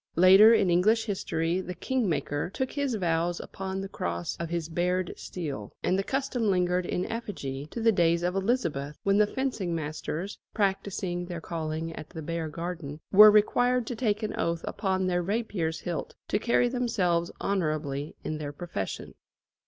Later, in English history, the King Maker took his vows upon the cross of his bared steel, and the custom lingered in effigy to the days of Elizabeth, when the fencing masters, practising their calling at the Bear Garden, were required to take an oath upon their rapier's hilt to carry themselves honourably in their profession.